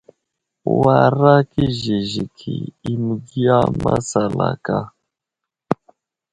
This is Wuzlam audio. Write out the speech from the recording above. Wara kəziziki məgiya i masalaka.